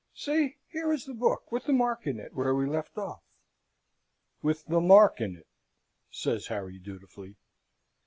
See! Here is the book, with the mark in it where we left off." "With the mark in it?" says Harry dutifully.